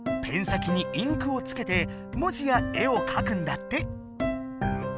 ペン先にインクをつけて文字や絵をかくんだって！